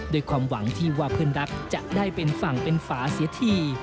ด้วยความหวังที่ว่าเพื่อนรักจะได้เป็นฝั่งเป็นฝาเสียที